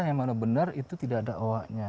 yang mana benar itu tidak ada oak nya